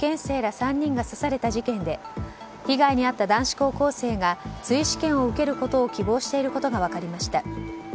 東京大学前で受験生ら３人が刺された事件で被害に遭った男子高校生が追試験を受けることを希望していることが分かりました。